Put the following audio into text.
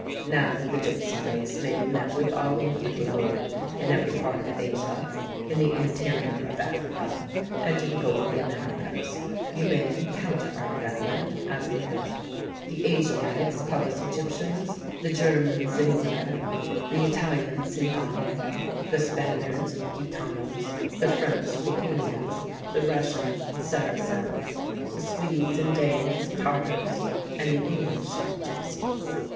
Now the gipsy race may be met with all over the globe: in every part of Asia, in the interior of Africa, and in both the Americas, you may encounter our brethren, as in Europe. The Asiatics call us Egyptians, the Germans Ziguener, the Italians Cingani, the Spaniards Gitanos, the French Bohemians, the Russians Saracens, the Swedes and Danes Tartars, and the English Gipsies.